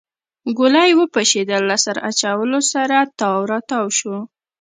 ګلی وپشېده له سر اچولو سره تاو راتاو شو.